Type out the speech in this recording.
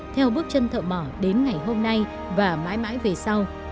theo bước chân thợ mỏ đến ngày hôm nay và mãi mãi về sau